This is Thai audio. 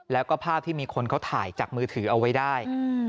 แล้วก็ภาพที่มีคนเขาถ่ายจากมือถือเอาไว้ได้